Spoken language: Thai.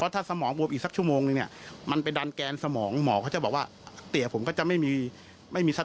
ที่เขาคุยกันด้วยนะฮะ